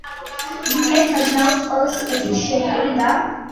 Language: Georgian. ერთ აზნაურს, ყველა სიკეთით შემკული და